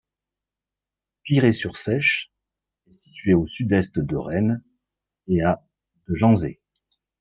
Piré-sur-Seiche est située au sud-est de Rennes et à de Janzé.